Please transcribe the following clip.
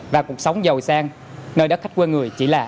và cuộc sống dầu sang nơi đất khách quê người chỉ là ảo tưởng